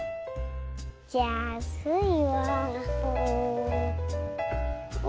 じゃあスイは。